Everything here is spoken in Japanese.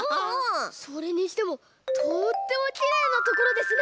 それにしてもとってもきれいなところですね！